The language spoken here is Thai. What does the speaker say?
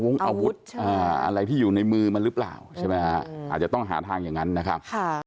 มีอะไรที่อยู่ในมือมารึเปล่าอาจจะต้องหาทางอย่างนั้นนะครับ